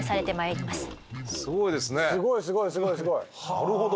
なるほど。